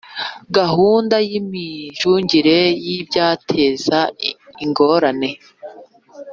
Gahunda y imicungire y ibyateza ingorane